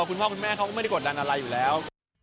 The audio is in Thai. คุณพ่อคุณแม่เขาก็ไม่ได้กดดันอะไรอยู่แล้ว